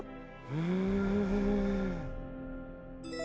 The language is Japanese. うん。